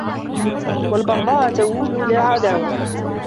وَالْبَغْضَاءُ تُؤَوَّلُ إلَى الْعَدَاوَةِ